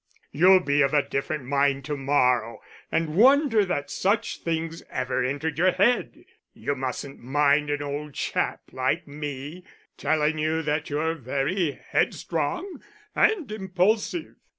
You'll be of a different mind to morrow, and wonder that such things ever entered your head. You mustn't mind an old chap like me telling you that you're very headstrong and impulsive.